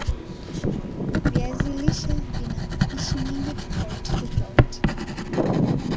Viazi lishe vina mapishi mengi tofauti tofauti